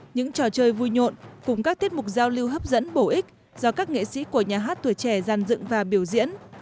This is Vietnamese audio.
những trò chơi vui nhộn cùng các tiết mục giao lưu hấp dẫn bổ ích do các nghệ sĩ của nhà hát tuổi trẻ gian dựng và biểu diễn